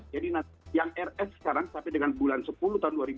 jadi yang rf sekarang sampai dengan bulan sepuluh tahun dua ribu dua puluh dua